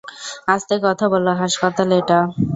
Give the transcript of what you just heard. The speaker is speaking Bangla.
আস্তে কথা বলো, হাসপাতাল এটা!